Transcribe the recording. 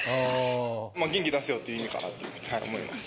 元気出せよっていう意味かなと思います。